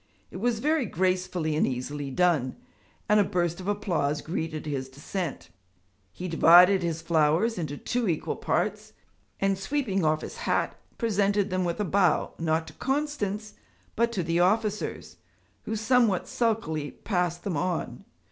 It was very gracefully and easily done, and a burst of applause greeted his descent. He divided his flowers into two equal parts, and sweeping off his hat, presented them with a bow, not to Constance, but to the officers, who somewhat sulkily passed them on.